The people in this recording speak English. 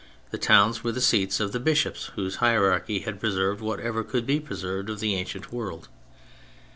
The towns were the seats of the bishops, whose hierarchy had preserved whatever could be preserved of the ancient world.